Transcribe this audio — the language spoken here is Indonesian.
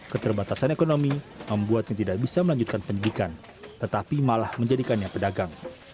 keterbatasan ekonomi membuatnya tidak bisa melanjutkan pendidikan tetapi malah menjadikannya pedagang